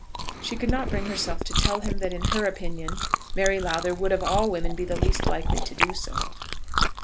She could not bring herself to tell him that in her opinion Mary Lowther would of all women be the least likely to do so.